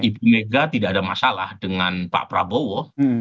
ibu mega tidak ada masalah dengan pak prabowo